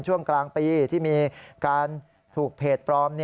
ช่วงกลางปีที่มีการถูกเพจปลอม